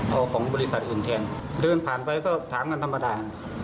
เอาของบริษัทอื่นแทนเดินผ่านไปก็ถามกันธรรมดา